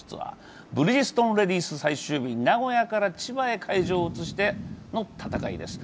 ブリヂストンレディスの最終日、名古屋から千葉へ会場を移しての戦いです。